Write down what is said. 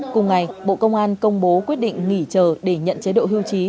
cùng ngày bộ công an công bố quyết định nghỉ chờ để nhận chế độ hưu trí